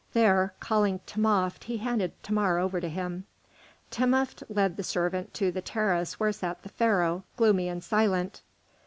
There, calling Timopht, he handed Thamar over to him. Timopht led the servant to the terrace where sat the Pharaoh, gloomy and silent.